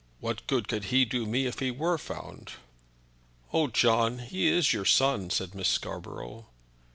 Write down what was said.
What good could he do me if he were found?" "Oh, John, he is your son," said Miss Scarborough.